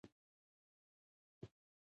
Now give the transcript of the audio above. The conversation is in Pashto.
څه شی د ایمان او عقیدې وسله ده؟